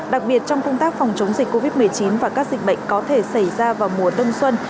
đặc biệt trong công tác phòng chống dịch covid một mươi chín và các dịch bệnh có thể xảy ra vào mùa đông xuân